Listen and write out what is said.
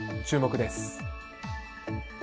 注目です。